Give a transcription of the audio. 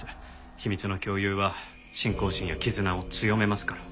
秘密の共有は信仰心や絆を強めますから。